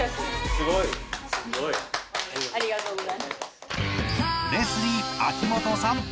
すごい。ありがとうございました。